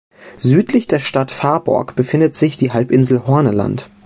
Südlich der Stadt Faaborg befindet sich die Halbinsel Horne Land.